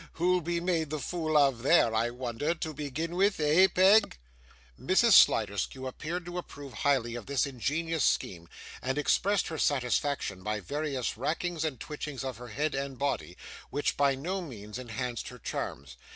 Who'll be made the fool of there, I wonder, to begin with eh, Peg?' Mrs. Sliderskew appeared to approve highly of this ingenious scheme, and expressed her satisfaction by various rackings and twitchings of her head and body, which by no means enhanced her charms.